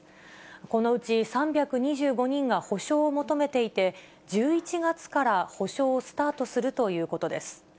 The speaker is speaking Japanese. このうち３２５人が補償を求めていて、１１月から補償をスタートするということです。